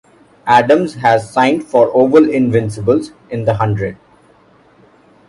Adams has signed for Oval Invincibles in The Hundred.